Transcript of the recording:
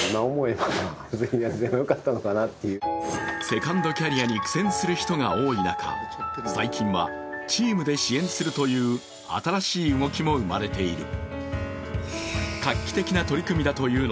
セカンドキャリアに苦戦する人が多い中、最近は、チームで支援するという新しい動きも生まれている。